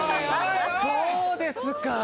そうですか。